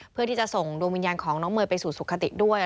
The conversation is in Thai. เพื่อที่จะส่งดวงวิญญาณของน้องเมย์ไปสู่สุขติด้วย